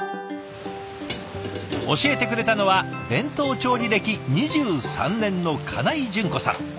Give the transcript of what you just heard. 教えてくれたのは弁当調理歴２３年の金井淳子さん。